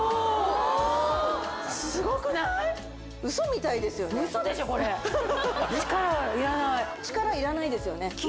ウソみたいですよね力いらないですよね